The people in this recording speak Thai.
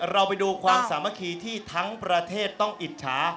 เราไปดูความสามัคคีที่ทั้งประเทศต้องอิจฉา